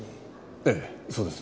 ええそうです。